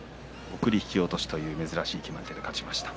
送り引き落としという珍しい決まり手で勝ちました。